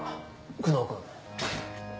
久能君。